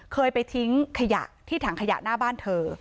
เคยไปทิ้งขยะที่ถังขยะหน้าบ้านเธอ